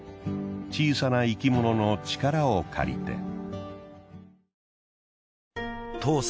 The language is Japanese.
小さな生き物の力を借りて。